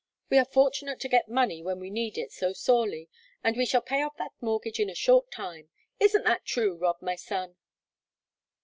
We are fortunate to get money when we need it so sorely, and we shall pay off that mortgage in a short time; isn't that true, Rob, my son?"